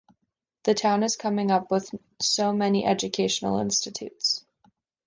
The town is coming up with so many educational institutes.